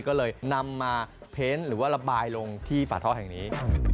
ก็เลยนำมาเพ้นหรือว่าระบายลงที่ฝาท่อแห่งนี้